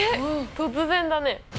突然だね。